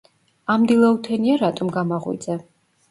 ამ დილაუთენია რატომ გამაღვიძე?